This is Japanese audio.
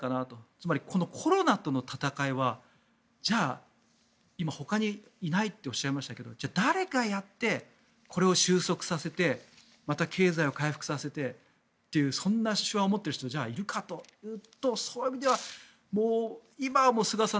つまり、このコロナとの戦いはじゃあ、今ほかにいないとおっしゃいましたけどじゃあ、誰かやってこれを収束させてまた経済を回復させてっていうそんな手腕を持っている人はいるかっていうとそういう意味では今は菅さん